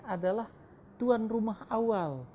adalah tuan rumah awal